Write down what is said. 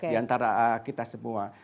di antara kita semua